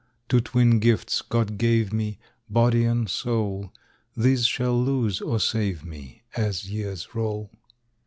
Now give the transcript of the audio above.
Two twin gifts God gave me, Body and soul; These shall lose or save me, As years roll.